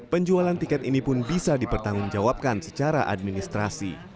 penjualan tiket ini pun bisa dipertanggungjawabkan secara administrasi